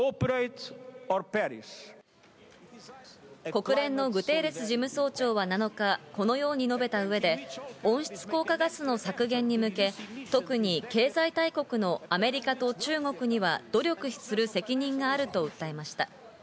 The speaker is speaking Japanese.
国連のグテーレス事務総長は７日、このように述べた上で温室効果ガスの削減に向け、特に経済大国のアメリカと中国には努力する責任があると訴えました。